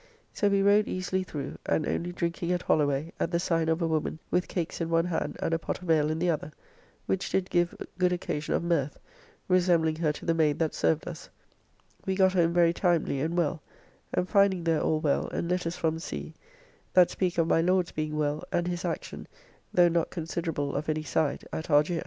So we rode easily through, and only drinking at Holloway, at the sign of a woman with cakes in one hand and a pot of ale in the other, which did give good occasion of mirth, resembling her to the maid that served us, we got home very timely and well, and finding there all well, and letters from sea, that speak of my Lord's being well, and his action, though not considerable of any side, at Argier.